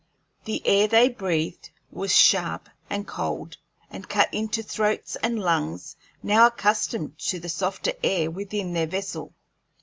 The air they breathed was sharp and cold, and cut into throats and lungs now accustomed to the softer air within their vessel.